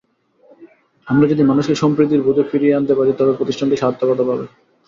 আমরা যদি মানুষকে সম্প্রীতির বোধে ফিরিয়ে আনতে পারি, তবে প্রতিষ্ঠানটি সার্থকতা পাবে।